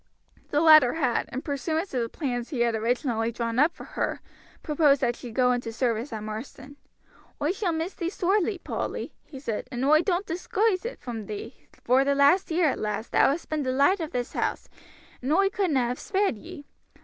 The latter had, in pursuance of the plans he had originally drawn up for her, proposed that she should go into service at Marsden. "Oi shall miss thee sorely, Polly," he said; "and oi doan't disguise it from thee, vor the last year, lass, thou hast been the light o' this house, and oi couldna have spared ye.